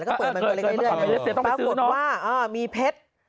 แล้วก็เปิดมันไปเรื่อยปรากฏว่ามีเพชร